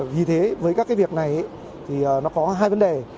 vì thế với các cái việc này thì nó có hai vấn đề